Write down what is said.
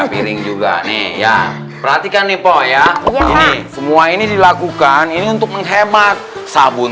piring juga nih ya perhatikan nih po ya ini semua ini dilakukan ini untuk menghemat sabun